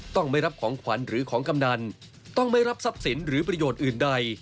ต้องไม่รับของขวัญหรือของกำนันต้องไม่รับทรัพย์สินหรือประโยชน์อื่นใด